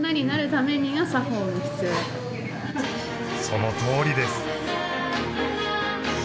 そのとおりです